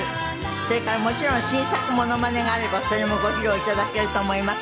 それからもちろん新作モノマネがあればそれもご披露頂けると思います。